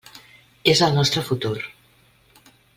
És el nostre futur.